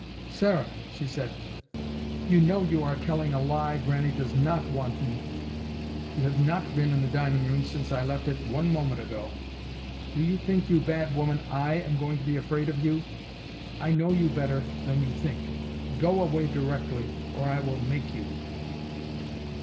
"Sarah," she said, "you know you are telling a lie. Grannie does not want me. You have not been in the dining room since I left it one moment ago. Do you think, you bad woman, I am going to be afraid of you? I know you better than you think. Go away directly, or I will make you."